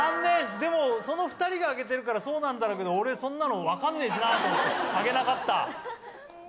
でもその２人が上げてるからそうなんだろうけど俺そんなの分かんねし上げなかった。